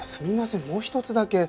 もう一つだけ。